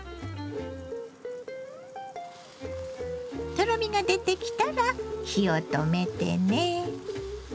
とろみが出てきたら火を止めてね。